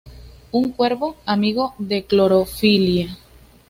Un cuervo, amigo de Clorofila.